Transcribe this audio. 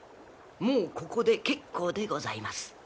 もうここで結構でございます。